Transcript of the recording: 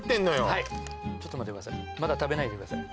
はいちょっと待ってください